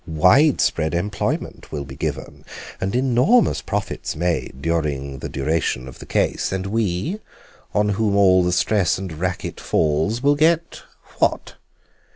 Widespread employment will be given and enormous profits made during the duration of the case, and we, on whom all the stress and racket falls, will get—what?